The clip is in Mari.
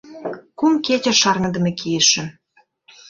Кум кече шарныдыме кийышым.